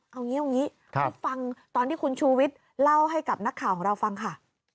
เอาอย่างนี้ไปฟังตอนที่คุณชูวิทย์เล่าให้กับนักข่าวของเราฟังค่ะ